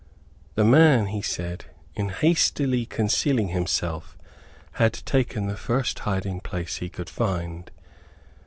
"The man," he said, "in hastily concealing himself had taken the first hiding place he could find."